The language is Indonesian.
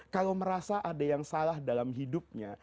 kalau merasa ada yang salah dalam hidupnya